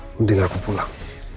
mending aku pulang